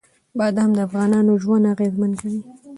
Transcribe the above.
بادام د افغانانو ژوند اغېزمن کوي.